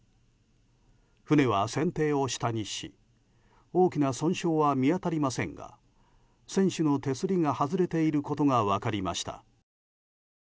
船は船底を下にし大きな損傷は見当たりませんが船首の手すりが外れていることが分かりました。